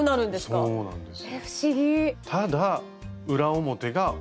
はいそうなんです。